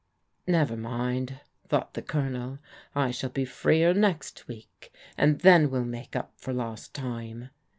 " Never mind," thought the Colonel, " I shall be f r next week, and then we'll make up for lost time."